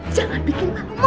jangan bikin mami